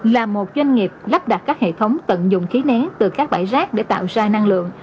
là một doanh nghiệp lắp đặt các hệ thống tận dụng khí nén từ các bãi rác để tạo ra năng lượng